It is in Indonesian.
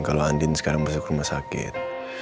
kalau andin sekarang masuk rumah sakit